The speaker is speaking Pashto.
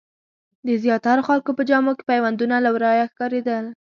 د زیاترو خلکو په جامو کې پیوندونه له ورايه ښکارېدل.